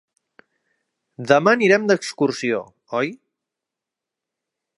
Demà anirem d'excursió, oi?